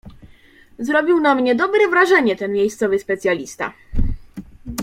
"Zrobił na mnie dobre wrażenie ten miejscowy specjalista."